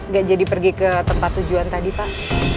gak jadi pergi ke tempat tujuan tadi pak